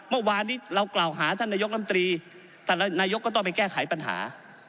เมื่อวานนี้เรากล่าวหาท่านนายกรรมตรีท่านนายกก็ต้องไปแก้ไขปัญหา